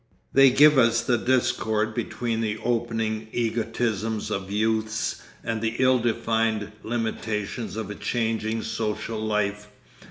They give us the discord between the opening egotisms of youths and the ill defined limitations of a changing social life.